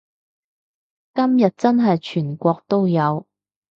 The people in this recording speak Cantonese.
今日真係全國都有